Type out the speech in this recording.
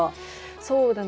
そうだね。